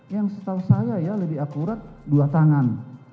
yang setahu saya ya lebih akurat dua tangan